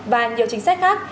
và nhiều chính sách khác